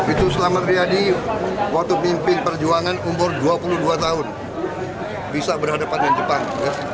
itu selamat riyadi waktu mimpin perjuangan umur dua puluh dua tahun bisa berhadapan dengan jepang